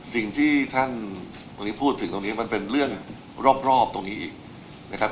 สิ่งที่ท่านวันนี้พูดถึงตรงนี้มันเป็นเรื่องรอบตรงนี้อีกนะครับ